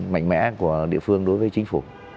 mạnh mẽ của địa phương đối với chính phủ